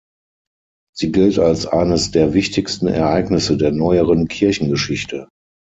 Sie gilt als eines der wichtigsten Ereignisse der neueren Kirchengeschichte.